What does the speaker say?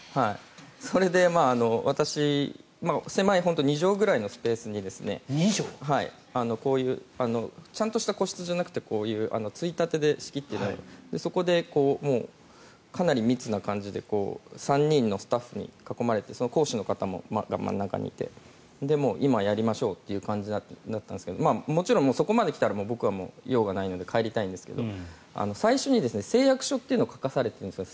それで私狭い２畳ぐらいのスペースにこういうちゃんとした個室じゃなくてついたてで仕切ってあってそこでかなり密な感じで３人のスタッフに囲まれて講師の方が真ん中にいて今、やりましょうという感じだったんですがもちろん、そこまで来たら僕は用がないので帰りたいんですけど最初に誓約書というのを書かされたんですよ。